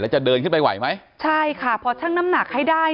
จะเดินขึ้นไปไหวไหมใช่ค่ะพอชั่งน้ำหนักให้ได้